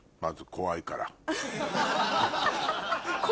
「怖いから」？